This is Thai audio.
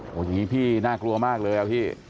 อย่างนี้พี่น่ากลัวมากเลย